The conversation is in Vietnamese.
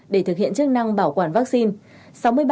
để thực hiện chức năng bảo quản vaccine